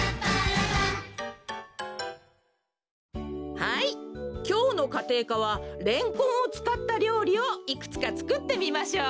はいきょうのかていかはレンコンをつかったりょうりをいくつかつくってみましょう。